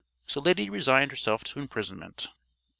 So Lady resigned herself to imprisonment.